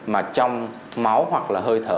mà trong máu hoặc là hơi thở